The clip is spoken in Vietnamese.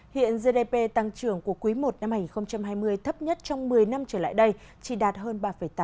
hiện gdp tăng trưởng của quý i năm hai nghìn hai mươi thấp nhất trong một mươi năm trở lại đây chỉ đạt hơn ba tám